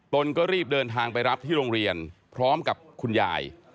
ก็รีบเดินทางไปรับที่โรงเรียนพร้อมกับคุณยาย